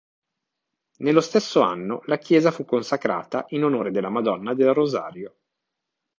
Nello stesso anno la chiesa fu consacrata in onore della Madonna del Rosario.